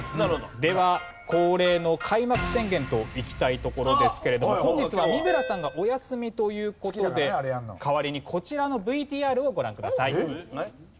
では恒例の開幕宣言といきたいところですけれども本日は三村さんがお休みという事で代わりにこちらのＶＴＲをご覧ください。